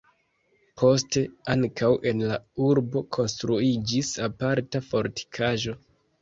Poste ankaŭ en la urbo konstruiĝis aparta fortikaĵo.